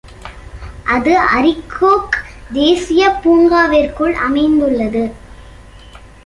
அது அரிகோக் தேசிய பூங்காவிற்குள் அமைந்துள்ளது.